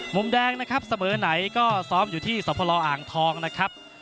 มุมแดงนะครับเสมอไหนก็ซ้อมอยู่ที่สพลอ่างทองนะครับ